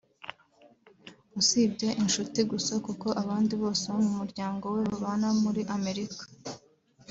usibye inshuti gusa kuko abandi bose bo mu muryango we babana muri Amerika